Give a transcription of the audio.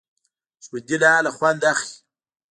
ژوندي له حاله خوند اخلي